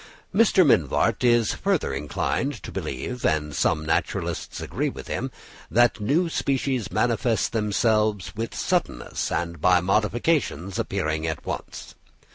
Mr. Mivart is further inclined to believe, and some naturalists agree with him, that new species manifest themselves "with suddenness and by modifications appearing at once."